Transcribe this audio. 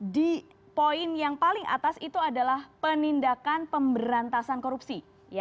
di poin yang paling atas itu adalah penindakan pemberantasan korupsi